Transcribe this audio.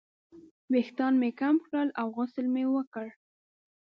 ویښتان مې کم کړل او غسل مې وکړ.